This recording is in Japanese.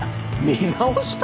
見直した？